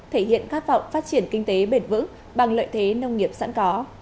thể hiện khát vọng phát triển kinh tế bền vững bằng lợi thế nông nghiệp sẵn có